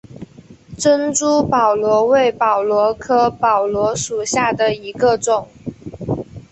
珍珠宝螺为宝螺科宝螺属下的一个种。